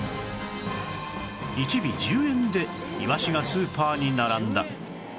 １尾１０円でイワシがスーパーに並んだ